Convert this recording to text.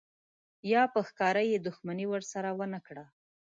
یا په ښکاره یې دښمني ورسره ونه کړه.